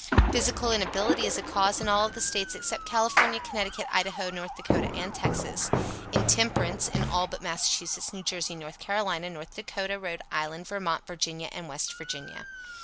Physical inability is a cause in all the States except California, Connecticut, Idaho, North Dakota and Texas. Intemperance, in all but Massachusetts, New Jersey, North Carolina, North Dakotah, Rhode Island, Vermont, Virginia and West Virginia.